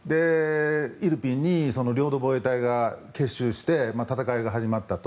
イルピンに領土防衛隊が結集して戦いが始まったと。